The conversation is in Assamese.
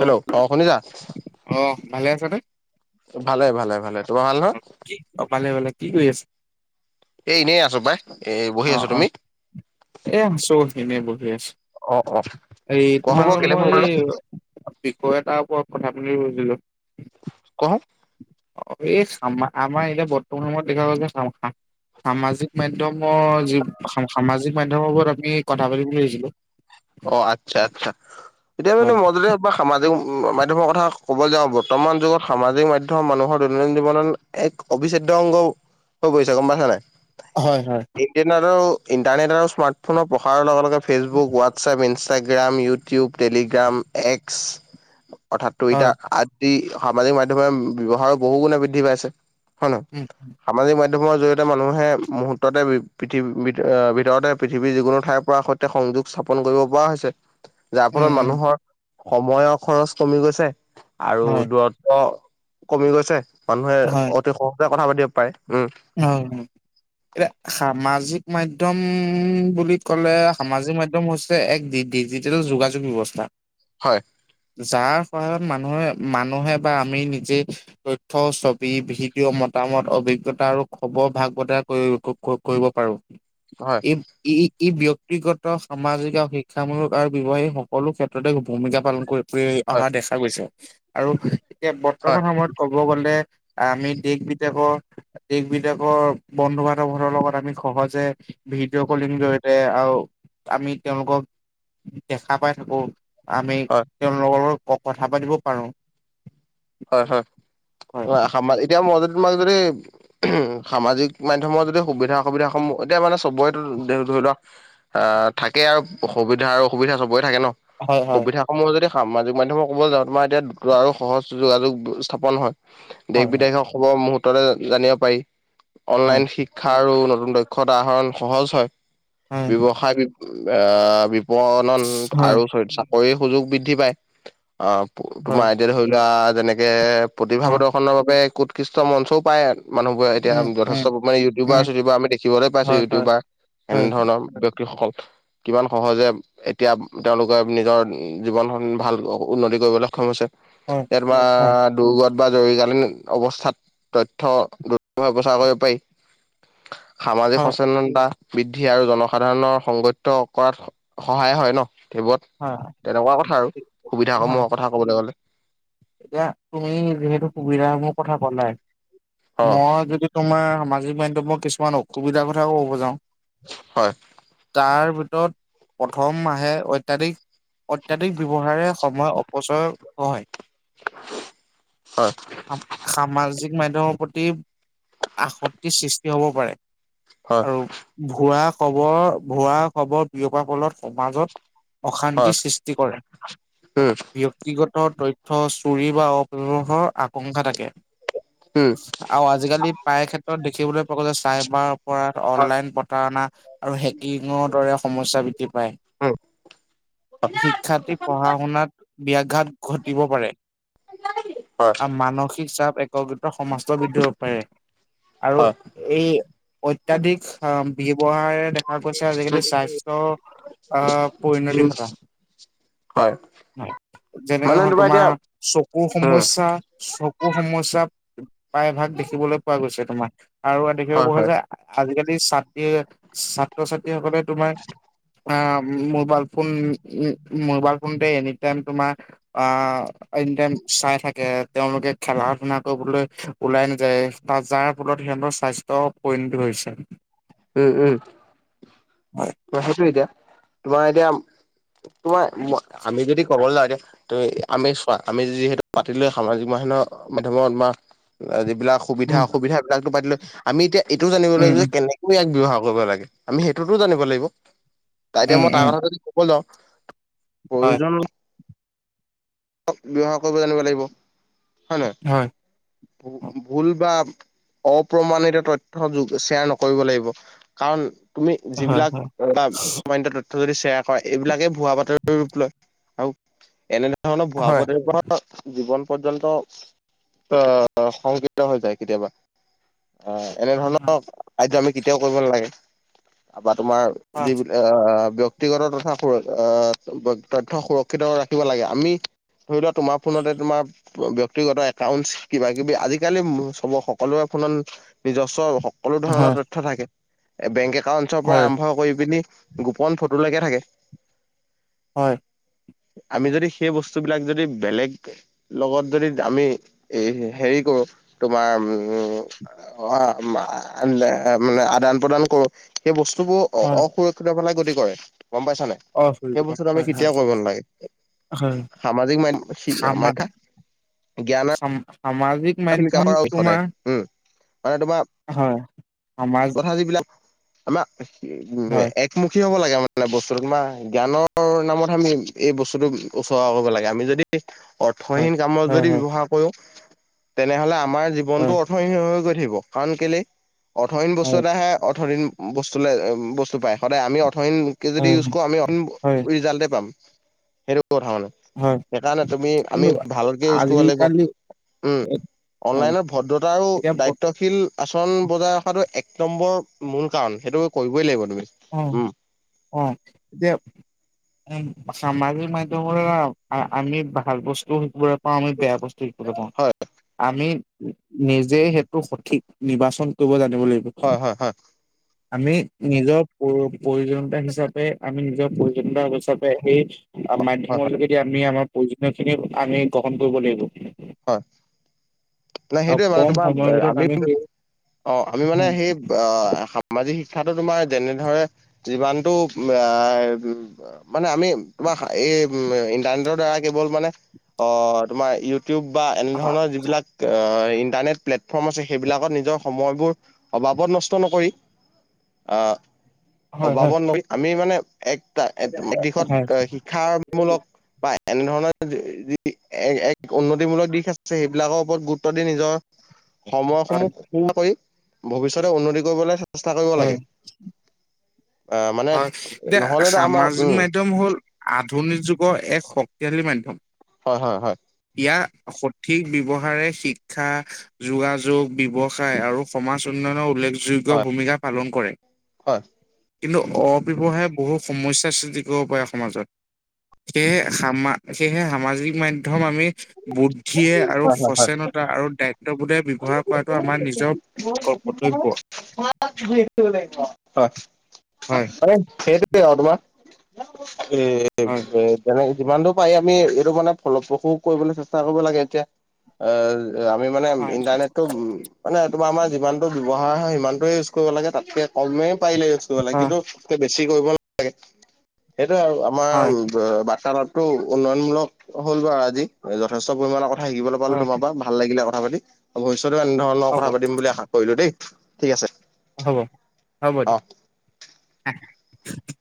হেল্ল' অহ, শুনিছা? অ ভালে আছানে? ভালে-ভালে-ভালে। তোমাৰ ভাল নহয়? অহ, ভালে-ভালে। কি কৰি আছা? এই এনেই আছোঁ পাই এই বহি অ আছোঁ। অ তুমি? এ আছোঁ এনেই বহি আছোঁ। অ অ হেৰি কোৱাচোন বাৰু তোমালৈ কেলে ফোন মই কৰিলা? বিষয় এটাৰ ওপৰত কথা পাতি ভাবিছিলোঁ। কওঁচোন। অহ, এ সামা, আমাৰ এতিয়া বৰ্তমান সময়ত দেখা গ'ল যে সামা-সা-সামাজিক মাধ্যমৰ যি সামাজিক মাধ্যমৰ ওপৰত আমি কথা পাতি বুলি ভাবিছিলোঁ। অহ, আচ্ছা, আচ্ছা। এতিয়া মানে হয় মই যদি বা সামাজিক মাধ্মৰ কথা ক'ব যাওঁ। বৰ্তমান যুগত সামাজিক মাধ্যমৰ মানুহৰ দৈনন্দিন জীৱন এক অবিচ্ছেদ্য অংগ হৈ পৰিছে, গম পাইছানে নাই? হয়, হয়। আৰু ইণ্টাৰনেট আৰু স্মাৰ্টফোনৰ প্ৰসাৰৰ লগে-লগে Facebook, what WhatsApp, Instagram, YouTube, Telegram, X, অৰ্থাৎ হয় টুইটা সামাজিক মাধ্যমে ব্যৱহাৰো বহু গুণে বৃদ্ধি পাইছে হয়নে নহয়। উম', হম'। সামাজিক মাধ্যমৰ জৰিয়তে মানুহে মুহূৰ্ততে পৃথিৱী ভিতৰতে পৃথিৱীৰ যিকোনো ঠাইৰ পৰা সংযোগ চা স্থাপন কৰিব পৰা হৈছে যাৰ ফলত উম উম মানুহৰ সময়ৰ খৰচ কমি গৈছে। আৰু হয় দূৰত্ব কমি গৈছে, মানুহে অতি সহজে কথা পাতিব পাৰে উম। অ, এতিয়া সামাজিক মাধ্যম বুলি কলে সামাজিক মাধ্যম হৈছে এক ডি-ডিজিটেল যোগাযোগ ব্যৱস্থা। হয়। যাৰ সহায়ত মানুহে-মানুহে বা আমি নিজেই, তথ্য ছবি ভিডিঅ' মতামত অভি গটা আৰু খবৰ ভাগ বতৰা কৰিব পাৰো। হয় এই ই-ই ব্যক্তিগত সামাজিক আৰু শিক্ষামূলক আৰু ব্যৱসায় সকলো ক্ষেত্ৰতে ভূমিকা পালন কৰিব। হয় অহা দেখা গৈছে আৰু এতিয়া হয় বৰ্তমান সময়ত ক'ব গ'লে আমি দেশ-বিদেশত, দেশ বিদেশৰ বন্ধু-বান্ধৱৰ লগত আমি সহজে ভিডিঅ' কলিং জৰিয়তে আৰু আমি তেওঁলোকক দেখা পাই থাকো। আমি তেওঁলোকৰ লগত কথা পাতিব পাৰো। হয়-হয় হয়। এতিয়া মই যদি তোমাক যদি সামাজিক মাধ্যমৰ যদি সুবিধা অসুবিধাসমূহ এতিয়া মানে চবৰে ধৰি লোৱা, অ, থাকে আৰু সুবিধা আৰু অসুবিধা চবৰে থাকে ন। হয় হয় সুবিধা সমূহ যদি সামাজিক মাধ্যমত ক'বলে যাওঁ তোমাৰ এতিয়া দ্ৰুত আৰু সহজ যোগাযোগ স্থাপন হয়। দেশ হয় হয় বিদেশৰ খব মুহূৰ্ততে জানিব পাৰি। অনলাইন শিক্ষা আৰু নতুন দক্ষ খদা আহৰণ সহজ হয়, হয় ব্যৱসায় অ, পন্ন হয় আৰু চাকৰিৰ সুযোগ বৃদ্ধি পাই। আহ, হয় তোমাৰ এতিয়া ধৰি এ যেনেকে প্ৰতিভা হয় প্ৰদৰ্শনৰ বাবে কুৎকৃষ্ট মঞ্চও পায়। মানুহবোৰ এয়া অ উম উম যথেষ্ট মানে ইউটিবাৰ উম চিউটিউাৰ আমি দেখিবলে পাইছো হয় হয় ইউটিউবাৰ। হয় এনেধৰণৰ ব্যক্তিসকল কিমান সহজে, এতিয়া তেওঁলোকে নিজৰ জীৱনখন ভাল উন্নতি কৰিবলে সক্ষম হৈছে। হয় এম হয় [unintelligible] দুৰ্গত বা জৰুৰীকালীন অৱস্থাত তথ্য দুৰভাৱে প্ৰচাৰ কৰিব পাৰি। [inaudible] সামাজিক সচেতনা, বৃদ্ধি আৰু জনসাধাৰণৰ সংগত কৰাত সহায় হয় ন সেইবোৰত। হয় তেনেকুৱা কথা আৰু সুবিধা হয় সমূহৰ কথা কবলে গ'লে। এতিয়া তুমি যিহেতু সুবিধা মোৰ কথা পলাই অ মই যদি তোমাৰ সামাজিক মাধ্যমৰ কিছুমান অসুবিধাৰ কথাও ক'ব যাওঁ। হয়। তাৰ ভিতৰত প্ৰথম আহে অত্যাধিক অত্যাধিক ব্যৱহাৰে সময় অপচয় হয়। হয়। সামাজিক মাধ্যমৰ প্ৰতি আসত্তিৰ সৃষ্টি হব পাৰে। হয় আৰু ভুৱা খবৰ ভুৱা খবৰ বিয়পাৰ ফলত সমাজত, অশান্তি হয় সৃষ্টি কৰে। উম ব্যক্তিগত তথ্য চুৰি বা অপহৰ আকাংক্ষা থাকে। উম, আৰু আজিকালি প্ৰায় ক্ষেত্ৰত দেখিবলে পোৱা গৈছে যে চাইবাৰ কৰা, হয় অনলাইন প্ৰতাৰণা আৰু হেকিঙৰ দৰে সমস্যা বৃদ্ধি পায়। উম শিক্ষাৰ্থী পঢ়া শুনাত ব্যয়াঘাত ঘট তিব পাৰে হয় আৰু মানসিক চাপ একত্ৰিত সমাস্ত বৃদ্ধি হব পাৰে। আৰু হয় এই অত্যাধিক আহ, ব্যয়ৱহাৰে দেখা গৈছে আজিকালি স্বাস্থ্য, আহ, পৰিণতি উম ঘটা। হয় যেনেকে মানে তোমাৰ এতিয়া চকুৰ উম সমস্যা, চকু সমস্য প্ৰায় ভাগ দেখিবলে পোৱা গৈছে তোমাৰ আৰু দেখিব হয় পোৱা হয় যায়। আজিকালি ছাত্ৰী, ছাত্ৰ-ছাত্ৰীসকলে তোমাৰ অ', মোবাইল ফোন উম মোবাইল ফোনতে এনি টাইম তোমাৰ অ', এনি টাইম চাই থাকে তেওঁলোকে খেলা ধূলা কৰিবলৈ ওলাই নাযায়। তাত যাৰ ফলত সিহঁতৰ স্বাস্থ্য [unintelligible] হৈছে। উম, উম হয় সেইটো এতিয়া, তোমাৰ এতিয়া তোমাৰ আমি যদি ক'ব লাগে আমি চোৱা আমি যিহেতু পাতি লৈ সামাজিক মাধ্যম মাধ্যমত বা যিবিলাক সুবিধা উম অসুবিধাবিলাকতো পাতিলো। আমি এতিয়া এইটো জানিব উম লাগে উম যে কেনে ইয়াক ব্যৱহাৰ কৰিব লাগে আমি সেইটোতো জানিব লাগিব। তাৰ এতিয়া উম মই তাৰ উম কথা যদি ক'ব যাওঁ হয় প্ৰয়োজন ব্যৱহাৰ কৰিব জানিব লাগিব। হয় নে? হয় ভুল বা অপ্ৰমাণিত তথ্য যোন শ্বেয়াৰ নক কৰিব লাগিব। কাৰণ তুমি হয় যিবিলাক হয় [unintelligible] যদি শ্বেয়াৰ কৰা এইবিলাকে ভুৱা বাতৰি ৰূপ লয় আৰু এনে ধৰণৰ ভুৱা হয় বাতৰি পৰা জীৱন পৰ্যন্ত অহ সংকিত হৈ যায় কেতিয়াবা। অ', এনে ধৰণৰ হয় কাৰ্য্য আমি কেতিয়াও কৰিব নালাগে বা তোমাৰ হয় যিবিলাক আহ ব্যক্তিগত তথা আহ তথ্য সুৰক্ষিত ৰাখিব লাগে। আমি ধৰি লোৱা তোমাৰ ফোনতে তোমাৰ ব্যক্তিগত একাউন্টছ কিবা কিবি আজিকালি চব সকলোৰে ফোনত নিজস্ব সকলো ধৰণৰ তথ্য থাকে। এ বেংক একাউণ্টছৰ পৰা হয় আৰম্ভ কৰি পিনি গোপন ফটোলৈকে থাকে। হয়। আমি যদি সেই বস্তুবিলাক যদি বেলেগ লগত যদি আমি এ হেৰি কৰো তোমাৰ উম [inaudible] এ মানে আদান প্ৰদান কৰো সেই বস্তুবোৰ হয় অসুৰক্ষিত ফালে গতি কৰে গম পাইছানে? অ চৰি সেই বস্তুটো আমি হয় কেতিয়াও কৰিব নালাগে। হয় সামাজিক সামা মা-সি-মাধ্যা সামাজিক মাধ্যম সদায় তোমাৰ উম, মানে তোমাৰ হয়, সমাজ [unintelligible] আমাৰ হয় [unintelligible] মুুখী হ'ব লাগে মানে বস্তুটো তোমাৰ জ্ঞানৰ নামত আমি এই বস্তুটো উচ্চৰ্গা কৰিব লাগে। আমি যদি হয় অৰ্থহীন কামত হয় যদি হয় ব্যৱহাৰ কৰো। তেনেহ'লে আমাৰ জীৱনটো হয় অৰ্থহীন হৈ হৈ গৈ থাকিব। কাৰণ কেলে অৰ্থহীন বস্তু হয় এটায়েহে অৰ্থহীন বস্তু লে বস্তু পায় সদায় আমি অৰ্থহীন কে যদি হয় ইউজ কৰো আমি হয় [unintelligible] ৰিজাল্টে পাম সেইটো কথা মানে। হয় সেইকাৰণে তুমি কিন্তু আমি ভালকে ইউজ কৰিব লাগিব। আজিকালি উম [inaudible] অনলাইনত ভদ্ৰতা এতিয়া বত দায়িত্বশীল আচৰণ বজাই ৰখাটো এক নম্বৰ মূল কাৰণ সেইটো কৰিবই লাগিব তুমি। অ', উম অ', এতিয়া উম, সামাজিক মাধ্যমৰ দ্বাৰা আমি ভাল বস্তুবোৰত পাওঁ আমি বেয়া বস্তু শিকিবলৈ পাওঁ। হয় আমি নিজে সেইটো সঠিক নিৰ্বাচন কৰিব জানিব লাগিব। হয়, হয়, হয়। আমি নিজৰ প্ৰয়ো-প্ৰয়োজনীয়তা হিচাপে আমি নিজৰ প্ৰয়ো জনীয়তা হিচাপে সেই হয় মাধ্যমৰ হয় যোগেদি আমি আমাৰ প্ৰয়োজনীয়খিনি আমি গ্ৰহণ কৰিব লাগিব। হয়। নাই আৰু সেইটোয়ে মানে কম তোমাৰ সময়ৰ ভিতৰত আমি সেই অ' আমি মানে হয় সেই অ' সামাজি শিক্ষাটো তোমাৰ যেনে ধৰে যিমানটো আ মানে আমি তোমাৰ এই ইণ্টাৰনেটৰ দ্বাৰা কেৱল মানে অ তোমাৰ ইউ টিউব বা এনেধৰণৰ যিবিলাক ইন্টাৰনেট প্লেটফৰ্ম আছে সেইবিলাকত নিজৰ সময়বোৰ অবাবত নষ্ট নকৰি অ হয় হয় অবাবত ন আমি মানে একটা দিশত হয় শি শিক্ষামূলক বা এনেধৰণৰ যি এক উন্নতিমূলক দিশ আছে সেইবিলাকৰ ওপৰত গুৰুত্ব দি নিজৰ হয় সময়সমূহ কৰি ভৱিষ্যতে উন্নতি কৰিবলৈ চেষ্টা কৰিব লাগে। আ আমা হয় এতিয়া সামাজিক মাধ্যম হ'ল আধুনিক যুগৰ এক শক্তিশালী মাধ্যম। হয় হয় হয়। ইয়াৰ সঠিক ব্যৱহাৰে শিক্ষা, যোগাযোগ, ব্যৱসায় আৰু সমাজ উন্নয়নৰ উল্লেখযোগ্য হয় ভূমিকা পালন কৰে। হয়। কিন্তু অপব্যৱহাৰে বহু সমস্যাৰ সৃষ্টি কৰিব পাৰে সমাজত। সেয়েহে সামা সেয়েহে সামাজিক মাধ্যম ধ্যম আমি বুদ্ধিয়ে আৰু হয় হয় হয় সচেনতা আৰু দায়িত্ব বোধে ব্যৱহাৰ কৰাটো আমাৰ নিজৰ কৰ্তব্য। হয় [unintelligible] সেইটোৱে হয় [unintelligible] তেনেকে যিমানটো পাৰি আমি এইটো মানে ফলপ্ৰসু কৰিবলে চেষ্টা কৰিব লাগে এতিয়া আ আমি মানে হয় ইণ্টাৰনেটটো উম মানে তোমাৰ আমাৰ যিমানটো ব্যৱহাৰ হয় সিমানটোৱে ইউজ কৰিব লাগে তাতকে কমেই পাৰিলে ইউজ কৰিব লাগে। কিন্তু তাতকে বেছি কৰিব নালাগে সেইটোয়ে আৰু আমাৰ হয় বাৰ্তালাপটো টো উন্নয়নমূলক হ'ল বাৰু আজি যথেষ্ট পৰিমাণৰ কথা শিকিবলে পালো হয় তোমাৰ পৰা ভাল লাগিলে কথা পাতি ভৱিষ্যতেও এনেধৰণৰ হ'ব কথা পাতিম বুলি আশা কৰিলো দেই ঠিক আছে। হ'ব হ'ব অ। দিয়া।